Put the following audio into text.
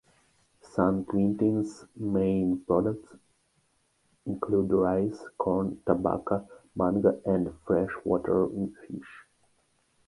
San Quintin's main products include rice, corn, tobacco, mango and freshwater fish.